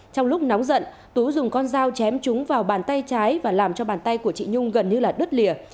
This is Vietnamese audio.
trong lúc nóng giận tú dùng con dao chém trúng vào bàn tay trái và làm cho bàn tay của chị nhung gần như là đứt lìa